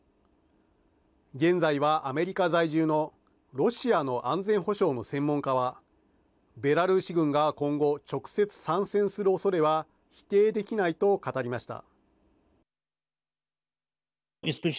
現在はアメリカ在住のロシアの安全保障の専門家はベラルーシ軍が今後直接参戦するおそれは否定できないと語りました。